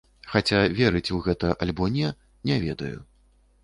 Хаця верыць у гэта альбо не, не ведаю.